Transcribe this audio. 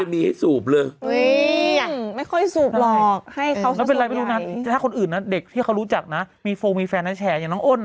ไม่เห็นที่มีให้สูบเลย